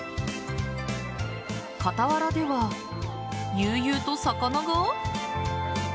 傍らでは、悠々と魚が？